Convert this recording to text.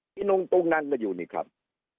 ที่นุ่งตรงนั้นก็อยู่นี่ครับ